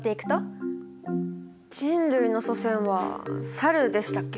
人類の祖先はサルでしたっけ？